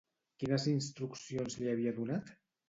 Quines instruccions li havia donat?